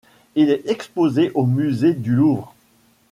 Il est exposé au Musée du Louvre.